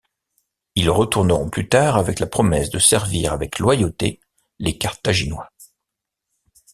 Ils retourneront plus tard avec la promesse de servir avec loyauté les Carthaginois.